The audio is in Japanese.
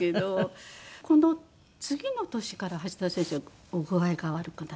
この次の年から橋田先生お具合が悪くなられた。